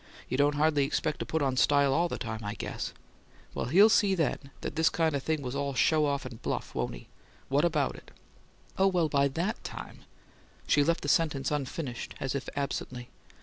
You don't hardly expect to put on style all the time, I guess. Well, he'll see then that this kind of thing was all show off, and bluff, won't he? What about it?" "Oh, well, by THAT time " She left the sentence unfinished, as if absently.